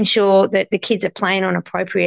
soalnya kurang femur itu simprot kota